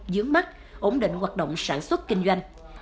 dướng mắt ổn định hoạt động sản xuất kinh doanh